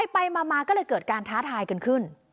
ไปมาก็เลยเกิดการท้าทายกันขึ้น